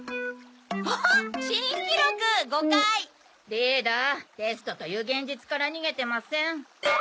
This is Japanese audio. リーダーテストという現実から逃げてません？